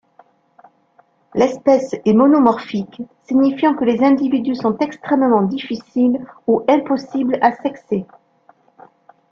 L'espèce est monomorphique, signifiant que les individus sont extrêmement difficiles ou impossible à sexer.